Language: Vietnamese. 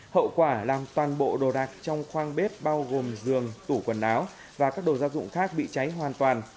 hậu quả làm toàn bộ đồ đạc trong khoang bếp bao gồm giường tủ quần áo và các đồ gia dụng khác bị cháy hoàn toàn